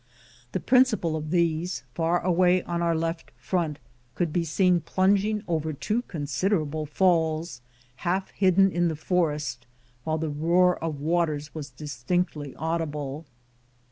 The prin cipal of these^ far away on our left front, could be seen plunging over two considerable falls, half hidden in the forest, while the roar of waters was distinctly audible.